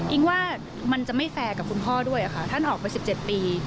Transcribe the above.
ว่ามันจะไม่แฟร์กับคุณพ่อด้วยค่ะท่านออกไป๑๗ปี